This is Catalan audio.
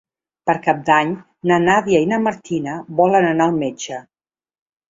Per Cap d'Any na Nàdia i na Martina volen anar al metge.